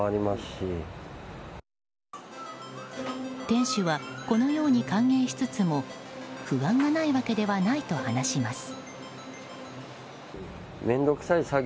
店主はこのように歓迎しつつも不安がないわけではないと話します。